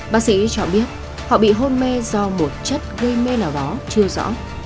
bác sĩ cho biết họ bị hôn mê do một chất gây mê nào đó chưa rõ